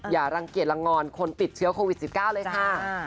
อย่ารังเกียจลังงอนคนติดเชื้อโควิด๑๙เลยค่ะ